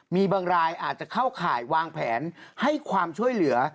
มีบางรายอาจจะเข้าข่ายวางแผนให้ความช่วยเหลือ